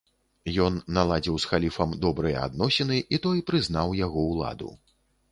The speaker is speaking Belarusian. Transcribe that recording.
Ён наладзіў з халіфам добрыя адносіны, і той прызнаў яго ўладу.